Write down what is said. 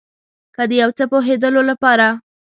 که د یو څه پوهیدلو لپاره